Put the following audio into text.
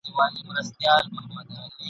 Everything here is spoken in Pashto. په سرو وينو سره لاسونه ..